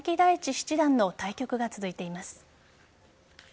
七段の対局が続いています。